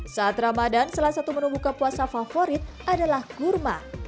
saat ramadan salah satu menu buka puasa favorit adalah kurma